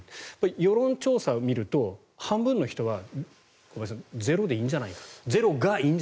世論調査を見ると半分の人はゼロがいいんじゃないかと。